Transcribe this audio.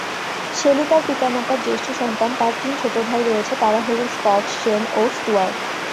Shelley তার পিতামাতার জ্যেষ্ঠ সন্তান, তার তিন ছোট ভাই রয়েছে, তারা হলেন স্কট, শেন, ও স্টুয়ার্ট।